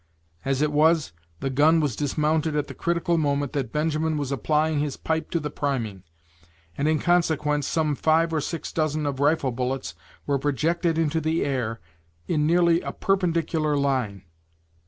As it was, the gun was dismounted at the critical moment that Benjamin was applying his pipe to the priming, and in consequence some five or six dozen of rifle bullets were projected into the air, in nearly a perpendicular line.